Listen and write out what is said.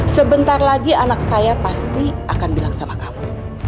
sebentar lagi anak saya pasti akan bilang sama kamu